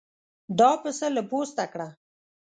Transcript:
دا پسه له پوسته کړه.